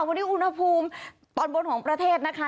วันนี้อุณหภูมิตอนบนของประเทศนะคะ